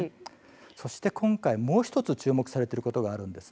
そして今回もう１つ注目されている方があります。